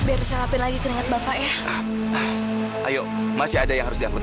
eh ada apa sih berhenti banget